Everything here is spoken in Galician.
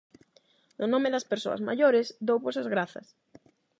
No nome das persoas maiores, douvos as grazas.